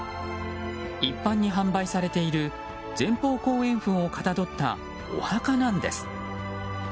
一般に販売されている前方後円墳をかたどったお墓なんです。